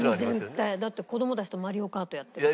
絶対だって子どもたちと『マリオカート』やってるし。